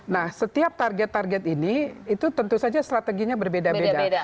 nah setiap target target ini itu tentu saja strateginya berbeda beda